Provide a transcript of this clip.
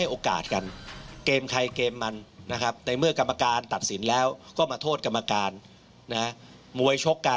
ออกไปแล้วนะว่า